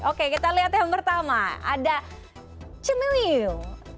oke kita lihat yang pertama ada cimiyung